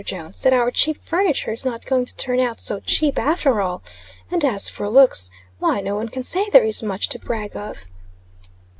Jones, that our cheap furniture is not going to turn out so cheap after all. And as for looks, why no one can say there is much to brag of."